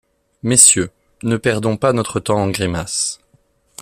Messieurs, ne perdons pas notre temps en grimaces.